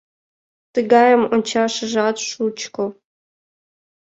Тыгайым ончашыжат шучко!